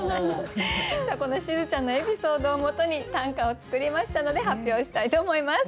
さあこのしずちゃんのエピソードを基に短歌を作りましたので発表したいと思います。